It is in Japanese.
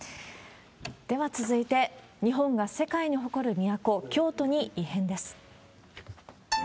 では続いて、日本が世界に誇る都、京都に異変です。